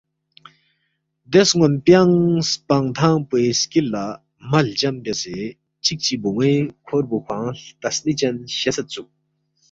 دے سنون پیانگ سپانگ تھنگ پوے سکل لا مہلجم بیاسے چکچہ بونوے کھوربو کھوانگ ہلتسنی چن شیسید سوک۔